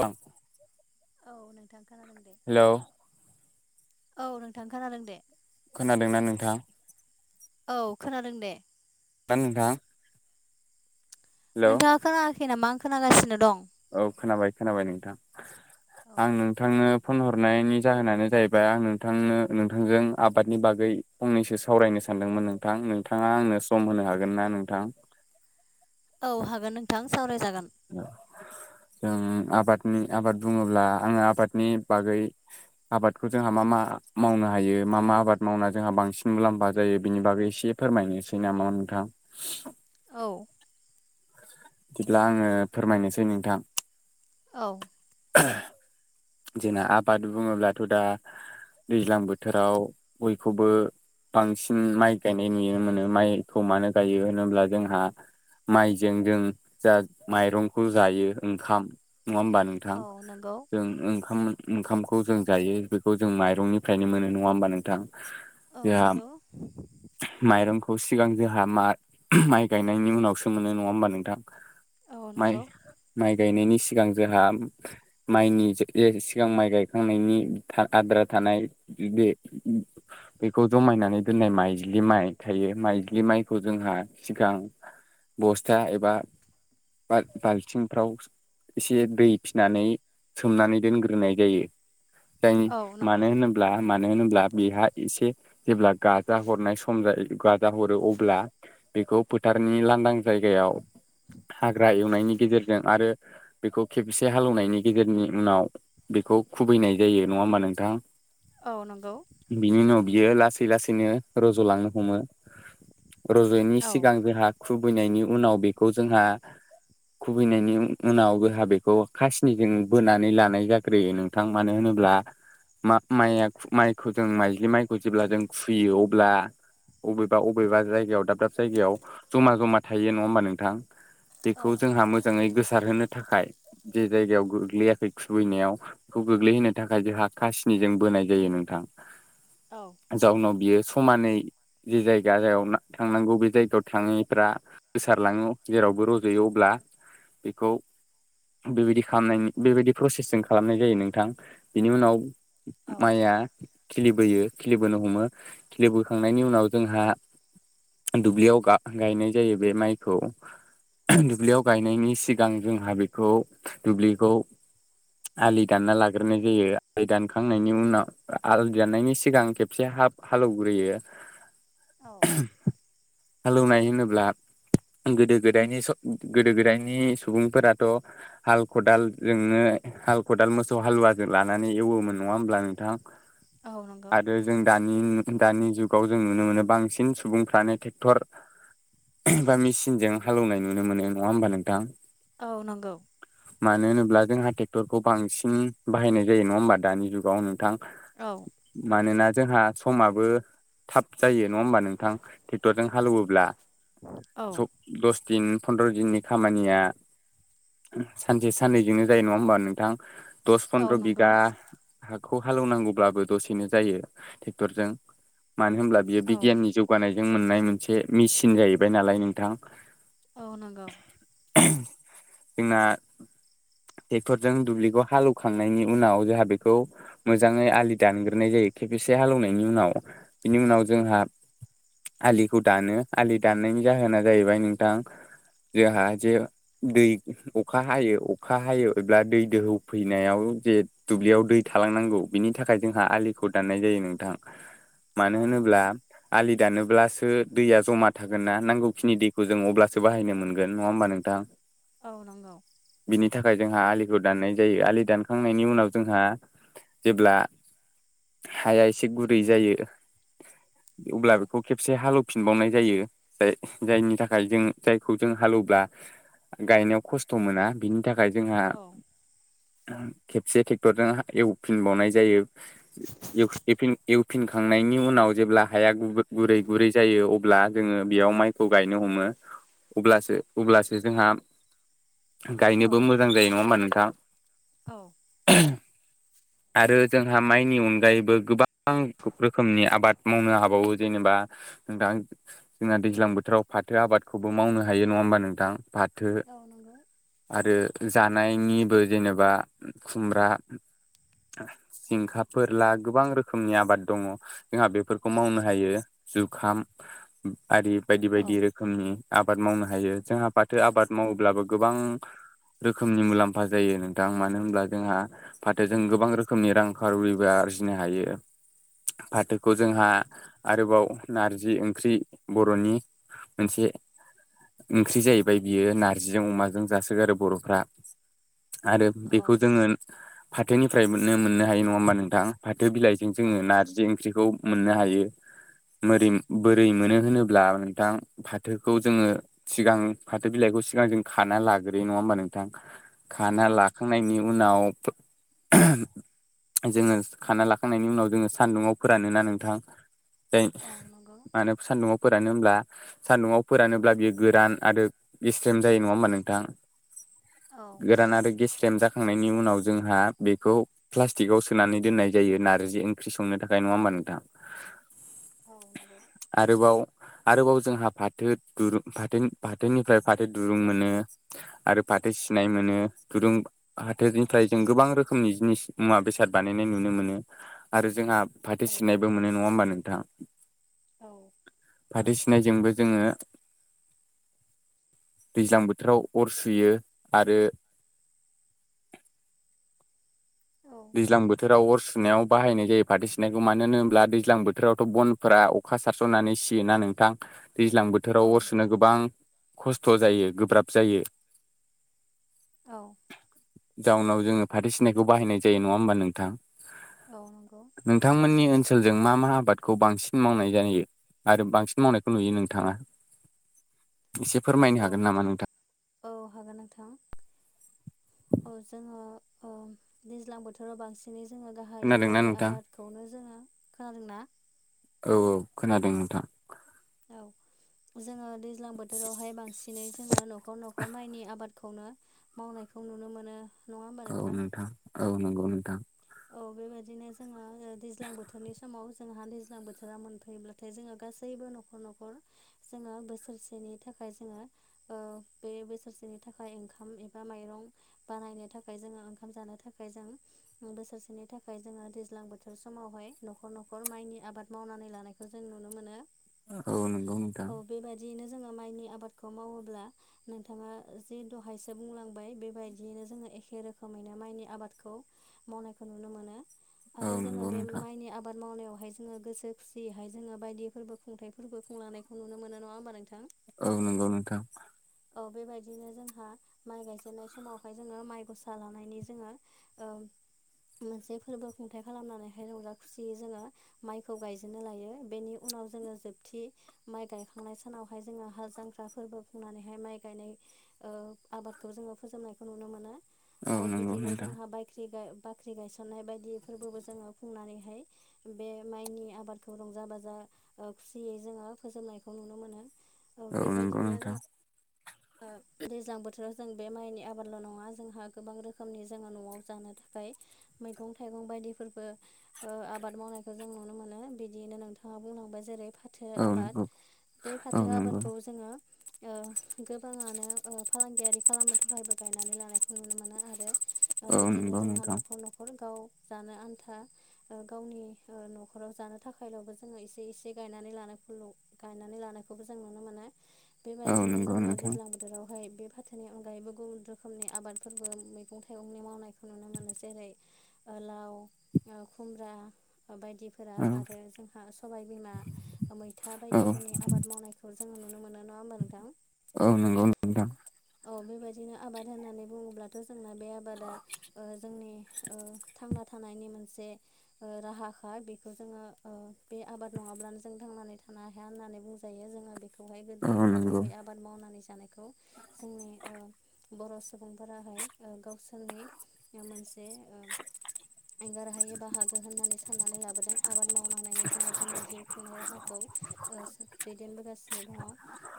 औ औ नोंथां खोनादों दे। हेल' औ नोंथां खोनादों दे खोनादोंना नोंथाङा औ खोनादों दे [unintelligible] हेलौ नोंथाङा खोनायाखै नामा आं खोनागासिनो दं औ खोनाबाय खोनाबाय नोंथां औ। आं नोंथांनो फन हरनायनि जाहोनानो जाहैबाय आं नोंथांनो नोंथांजों आबादनि बागै फंनैसो सावरायनो सानदों सानदोंमोन नोंथां नोंथाङा आंनो सम होनो हागोन ना नोंथां औ हागोन नोंथां सावरायजागोन जों आबादनि आबाद बुङोब्ला आङो आबादनि बागै आबादखौ जोंहा मा मा मावनो हायो मा मा आबाद मावना जोंहा बांसिन मुलाम्फा जायो बेनि बागै एसे फोरमायनोसै नामा नोंथां औ बिदिब्ला आङो फोरमायनोसै नोंथां औ जोंना आबाद बुङोब्लाथ' दा दैज्लां बोथोराव बयखौबो बांसिन माइ गायनाय नुनो मोनो माइखौ मानो गायो होनोब्ला जोंहा माइजों जों जा माइरंखौ जायो ओंखाम नङा होमबा नोंथां औ नंगौ जों ओंखाम ओंखामखौ जों जायो बेखौ जों माइरंनिफ्रायनो मोनो नङा होमबा नोंथां औ आ नंगौ माइरं खौ सिगां जोंहा मा माइ गायनायनि उनावसो मोनो नङा होमबा नोंथां औ नंगौ माइ-माइ गायनायनि सिगां जोंहा माइनि जे सिगां माइ गायखांनायनि आद्रा थानाय बे बेखौ जमाय गायनानै दोन्नाय माइज्लि माइ थायो माइज्लि माइखौ जोंहा सिगां बस्था एबा बाल-बाल्थिंफ्राव एसे दै फिनानै सोमनानै दोनग्रोनाय जायो जाय औ नंगौ मानो होनोब्ला मा मानो होनोब्ला बेहा एसे जेब्ला गाजा हरनाय सम जायो गाजा हरो अब्ला बेखौ फोथारनि लांदां जायगायाव हाग्रा एवनायनि गेजेरजों आरो बेखौ खेबसे हालेवनायनि गेजेरनि उनाव बेखौ खुबैनाय जायो नङा होमबा नोंथां औ नंगौ बिनि उनाव बियो लासै लासैनो रज'लांनो हमो रज'यैनि औ सिगां जोंहा खुबैनायनि उनाव बेखौ जोंहा खुबैनायनि उनाव जोंहा बेखौ खासिनिजों बोनानै लानाय जाख्रियो नोंथां मानो होनोब्ला मा माइआ माइखौ जों माइज्लि माइखौ जेब्ला जों खुयो अब्ला अबेबा अबेबा जायगायाव दाब दाब जायगायाव जमा जमा थायो नङा हबा नोंथां बेखौ जोंहा नंगौ मोजाङै गोसारहोनो थाखाय जे जायगायाव गोग्लैयाखै खुबैनायाव बेखौ गोग्लैहोनो थाखाय जोंहा खासिनिजों बोनाय जायो नोंथां औ नंगौ जाउनाव बियो समानै जे जायगा जा थांनांगौ बे जायगायाव थाङैफोरा गोसारलाङो जेरावबो रज'यो अब्ला बेखौ बेबायदि खालामनायनि बेबायदि प्रसेसजों खालामनाय जायो नोंथां बेनि उनाव औ माइआ खिलिबोयो खिलिबोनो हमो खिलिबोखांनायनि उनाव जोंहा दुब्लियाव गायनाय जायो बे माइखौ दुब्लियाव गायनायनि सिगां जोंहा बेखौ दुब्लिखौ आलि दानना लाग्रोनाय जायो आलि दानखांनायनि उनाव आलि दाननायनि सिगां खेबसे हाब हालौवग्रोयो औ हालौनाय होनोब्ला गोदो गोदायनि गोदो गोदायनि सुबुंफोराथ' हाल खदाल जोंनो हाल खदाल मोसौ हालुवाजों लानानै एवोमोन नङा होमब्ला नोंथां औ नंगौ आरो जों दानि दानि जुगाव जों नुनो मोनो बांसिन सुबुंफ्रानो ट्रेक्टर बा मेचिनजों हालौवनाय नुनो मोनो नङा होमबा नोंथां औ नंगौ मानो होनोब्ला जोंहा ट्रेक्टरखौ बांसिन बाहायनाय जायो नङा होमबा दानि जुगाव नोंथां औ मानो ना जोंहा समाबो थाब जायो नङा होमबा नोंथां ट्रेक्टरजों हालेवोब्ला स औ दस दिन फन्द्र' दिननि खामानिया सानसे साननैजोंनो जायो नङा होमबा नों नोंथां दस औ फन्द्र बिघा नंगौ खौ हालौनांगौब्लाबो दसेनो जायो ट्रेक्टरजों मानो होनब्ला बेयो औ बिगियाननि जौगानाय मोननाय मोन मिचिन जाहैबाय नालाय नोंथां औ नंगौ जोंना ट्रेक्टरजों दुब्लिखौ हालेवखांनायनि उनाव जोंहा बेखौ मोजाङै आलि दानग्रोनाय जायो खेसे हालौवनायनि उनाव बिनि उनाव जोंहा आलिखौ दानो आलि दाननायनि जाहोना जाहैबाय नोंथां जोंहा जे दै अखा हायो अखा हायो अब्ला दै दोहौ फैनायाव जे दुब्लियाव दै थालांनांगौ बिनि थाखाय जोंहा आलिखौ दाननाय जायो नोंथां मानो होनोब्ला औ दानोब्लासो दैया जमा थागोन ना नांगौखिनि दैखौ जों अब्लासो बाहायनो मोनगोन नङा होमबा नोंथां औ नंगौ बिनि थाखाय जोंहा आलिखौ दाननाय जायो आलि दानखांनायनि उनाव जोंहा जेब्ला हाया एसे गुरै जायो औ अब्ला बेखौ खेबसे हालेव फिनबावनाय जायो जाय जायनि थाखाय जों जायखौ जों हालेवब्ला गायनायाव खस्थ' मोना बिनि थाखाय जोंहा औ खेबसे ट्रेक्टरजों एवफिनबावनाय जायो [inaudible] फिनखांनायनि उनाव जेब्ला हाया गुरै गुरै जायो अब्ला जोङो बेयाव माइखौ गायनो हमो अब्लासो अब्लासो जोंहा बो मोजां जायो नङा होमबा नोंथां औ आरो जोंहा माइनि अनगायैबो गोबां रोखोमनि आबाद मावनो हाबावो जेनेबा नोंथां जोंना दैज्लां बोथोराव फाथो आबादखौबो मावनो हायो नङा होमबा नोंथां फाथो औ नंगौ आरो जानायनिबो जेनेबा खुमब्रा जिंखाफोर ला गोबां रोखोमनि आबाद दङ जोंहा बेफोरखौ मावनो हायो जुखाम आरि बायदि बायदि रोखोमनि आबाद मावनो हायो जोंहा फाथो आबाद मावोब्लाबो गोबां रोखोमनि मुलाम्फा जायो नोंथां मानो होनब्ला जोंहा फाथो जों गोबां रोखोमनि रांखाविबो आ [unintelligible] हायो। फाथोखौ जोंहा आरोबाव नारजि ओंख्रि बर'नि मोनसे ओंख्रि जाहैबाय बियो नारजिजों अमाजों जा सोगारो बर'फ्रा आरो औ बेखौ जोङो फाथोनिफ्राय मोननो मोननो हायो नङा होमबा नोंथां फाथो बिलाइजों औ जोङो नारजि ओंख्रिखौ मोननो हायो। मोरै बोरै मोनो होनोब्ला नोंथां फाथोखौ जोङो सिगां फाथो बिलाइ खौ सिगां जों खाना लाग्रोयो नङा होमबा नोंथां खाना औ लाखांनायनि उनाव [inaudible] जोङो खाना लाखांनायनि उनाव जोङो सान्दुङाव फोरानोना नोंथां। जाय औ नंगौ मानो सान्दुङाव फोरानो होमब्ला सान्दुङाव फोरानोब्ला बियो गोरान आरो गेस्रेम जायो नङा होमबा नोंथां। औ गोरान आरो गेस्रेम जा खांनायनि उनाव जोंहा बेखौ प्लास्टिकआव सोनानै दोननाय जायो। नारजि ओंख्रि संनो थाखाय नङा होमबा? नोथां औ नंगौ आरोबाव आरोबाव जोंहा फाथो दुरुं फाथो फाथोनिफ्राय फाथो दुरुं मोनो। आरो फाथो सिनाय मोनो दुरुं फाथोनिफ्राय जों गोबां रोखोमनि जिनिस मुवा बेसाद बानायनाय नुनो मोनो आरो जोंहा फाथो औ सिननायबो मोनो नङा होमबा नोंथाङां औ फाथो सिननायजोंबो जोङो दैज्लां बोथोराव अर सुयो आरो औ दैज्लां बोथोराव अर सुनायाव बाहायनाय जायो फाथै सिनायखौ मानो होन होनोब्ला दैज्लां बोथोरावथ' बनफोरा हासार सारस'नानै सियोना नोंथां। दैज्लां बोथोराव अर सुनो गोबां खस्थ' जायो गोब्राब जायो। औ जाउनाव जोङो फाथो सिनायखौ बाहायनाय जायो नङा होमबा नोंथां। औ नंगौ नोंथांमोननि ओनस सोलजों मा मा आबादखौ बांसिन मावनाय जायो। आरो बांसिन मावनायखौ नुयो नोंथाङा। एसे फोरमायनो औ हागोन नामा नोंथां? औ हागोन नोंथां। औ जोङो ओ दैज्लां बोथोराव बांसिन नैनो जोङो गाहायै माइनि नोंथां आबादखौनो जोङो खोनादों ना? औ खोनादों नोंथां। औ जोङो दैज्लां बोथोरावहाय बांसिनै जोङो न'खर न'खर माइनि आबाद खौनो मावनायखौ नुनो मोनो। नङा होमबा औ नोंथां औ नंगौ नोंथां। औ बेबायदिनो जोङो दैज्लां ओ बोथोरनि समाव जोंहा दैज्लां बोथोरा मोनफैयोब्लाथाय जोङो गासैबो न'खर न'खर जोङो बोसोरसेनि थाख खाय जोङो ओ बे बोसोरसेनि थाखाय ओंखाम एबा माइरं बानायनो थाखाय जोङो ओंखाम जानो थाखाय जों बोसोरसेनि थाखाय जोङो दैज्लां बोथोर समावहाय न'खर न'खर माइनि आबाद मावनानै लानायखौ जों नु नुनो मोनो। औ नंगौ नोंथां। औ बेबायदियैनो जोङो माइनि आबादखौ मावोब्ला नोंथाङा जि दहायसो बुंलांबाय बेबायदियैनो जोङो एखे रोखोमैनो माइनि आबादखौ मावनायखौ नुनो मोनो। आरो जोङो बे माइनि आबाद मावनायावहाय जोङो गोसो खुसियैहाय जोङो बायदि फोरबो खुंथाइ फोरबो खुंलांनायखौ नुनो मोनो नङा होमबा नोंथां। औ नंगौ नोंथां। औ बेबायदिनो जोंहा माइ गायजेननाय समावहाय जोङो माइ गसा लानायनि जोङो ओ मोनसे फोरबो खुंथायाइ खालामनानैहाय रंजा खुसियै जोङो माइखौ गायजेननो लायो बेनि उन नाव जोङो जोबथि माइ गायखांनाय सानावहाय जोङो हा जांख्रा फोरबो खुंनानै बेहाय माइ गायनाय आबादखौ जोंङो फोजोबनायखौ नुनो मोनो औ नंगौ नोंथां औ आरो नंगौ बिदिनो नोंथां जोंहा बायख्रि गाय बाख्रि गायसननाय बायदि फोरबोबो जोंङो खुंनानैहाय बे माइनि आबादखौ रंजा बाजा खुसियै जोंङो फोजोबनायखौ नुनो मोनो ओ औ नोंगौ बेबायदिनो जों नोंथां दैज्लां बोथोराव जों बे माइनि आबादल नंङा जोंहा गोबां रोखोमनि जोंङो नआव जानो थाखाय मैगं थाइगं बायदिफोरबो आबाद मावनायखौ जों नुनो मोनो बिदियैनो नोंथांङा बुंलांबाय जेरै फाथो औ आबाद नंगौ बे औ फाथो नंगौ आबादखौ जोंङो गोबांङानो फालांगियारि खालामनो थाखायबो गायनानै लानायखौ नुनो मोनो आरो औ बिदिनो नंगौ जोंहा नोंथां नखर नखर गाव जानो आन्था गावनि नखराव जानो थाखायलबो जोंङो एसे एसे गायनानै लानाय गायनानै लानायखौबो जों नुनो मोनो औ बेबायदिनो नंगौ जोंङो नोंथां दैज्लां बोथोरावहाय नि अनगायैबो गुबुन रोखोमनि आबादफोरबो मैगं थाइगंनि मावनायखौ नुनो मोनो जेरै लाव खुमब्रा बायदिफोरा औ आरो जोंहा सबायबिमा मैथा औ बायदिफोरनि आबाद मावनायखौ जों नु नुनो मोनो नंङा होमबा नोथां औ नंगौ नोंथां औ बेबायदिनो आबाद होननानै बुङोब्लाथ जोंना बे आबादा जोंनि थांना थानायनि मोनसे राहाखा बेखौ जोंङो बे आबाद नंङाब्लानो जों थांनानै था थानो हाया होननानै बुंजायो जोंङो बेखौहाय औ गोदोनिफ्रायनो नंगौ बे आबाद मावनानै जानायखौ जोंनि बर सुबुंफोराहाय गावसोरनि मोनसे एंगार हायै बाहागो होननानै साननानै लाबोदों आबाद मावनांनायनि जोंङो जोंनि जिउ खुंनाय राहाखौ दैदेनबोगासिनो दंङ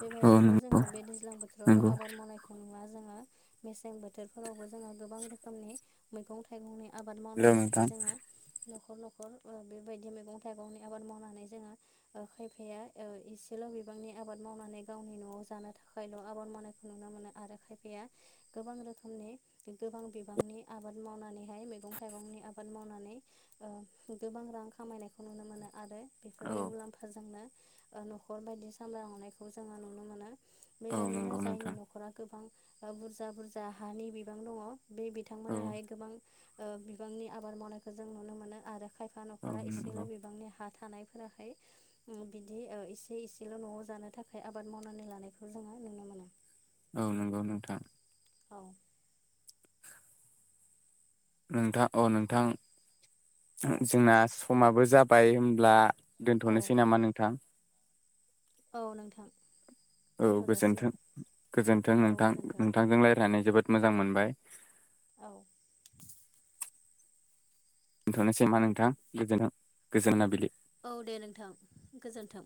बेबाय औ बिदिनो नंगौ जोंङो बे दैज्लां बोथोरावल नंगौ आबाद मावनायखौ नुवा जोंओ मसें बोथोरफोरावबो जोंओ गोबां रोखोमनि मैगं थाइगंनि आबाद हेलौ मावनानैहाय नोंथां जोंङो नखर नखर बेबायदि मैगं थाइगंनि आबाद मावनानै जोंङो खायफाया एसे बिबांनि आबाद मावनानै गावनि नआव जानो थाखायल आबाद मावनायखौ नुनो मोनो आरो खायफाया गोबां रोखोमनि गोबां बिबांनि आबाद मावनानै हाय मैगं थाइगंनि आबाद मावनानै गोबां रां खामायनायखौ नुनो मोनो आरो बेफोरनि औ मुलाम्फाजोंनो नखर बायदि सामलाय लांनायखौ जों औ बेबादिनो नंगौ जायनि नोंथां नखरा गोबां बुरजा बुरजा हानि बिबां दंङ बे औ बिथांमोनाहाय गोबां बिबांनि आबाद मावनायखौ जों नुनो मोनो आरो खायफा औ नखरा इसेल नंगौ बिबांनि हा थानायफोराहाय बिदि एसे एसेल नआव जानो थाखाय आखाइ आबाद मावनानै लानायखौ जोंङो नुनो मोनो औ नोंगौ नोंथां औ नोंथां अ नोंथां औ जोंना समाबो जाबाय होनब्ला औ दोनथनोसै नामा नोंथां औ नोंथां औ दोनथ' जासिगोन गोजोनथों गोजोनथों औ नोंथां गोजोन्थों नोंथांजों रायज्लायनानै जोबोद मोजां मोनबाय औ दोनथनोसै नामा नोंथां गोजोन गोजोन मोनाबिलि औ दे नोंथां गोजोन्थों